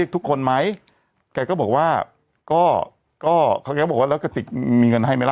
ก็เขาอยากบอกว่ากระติกมีเงินให้ไหมล่ะ